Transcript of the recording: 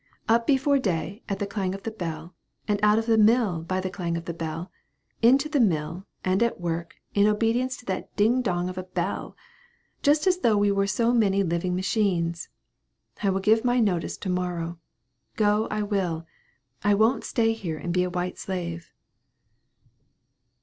Up before day, at the clang of the bell and out of the mill by the clang of the bell into the mill, and at work, in obedience to that ding dong of a bell just as though we were so many living machines. I will give my notice to morrow: go, I will I won't stay here and be a white slave."